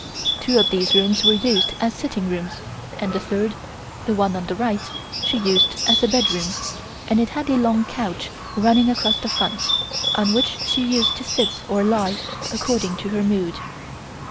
Two of these rooms were used as sitting rooms and the third, the one on the right, she used as a bedroom, and it had a long couch running across the front, on which she used to sit or lie according to her mood.